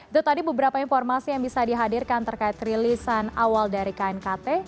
itu tadi beberapa informasi yang bisa dihadirkan terkait rilisan awal dari knkt